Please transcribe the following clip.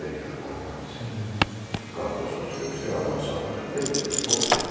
学校卒業してアナウンサーになれてずっとって感じ。